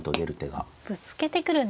ぶつけてくるんですね。